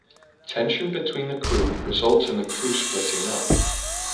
Tension between the crew results in the crew splitting up.